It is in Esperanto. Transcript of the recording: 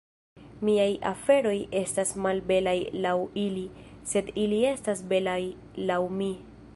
"Miaj aferoj estas malbelaj laŭ ili, sed ili estas belaj laŭ mi."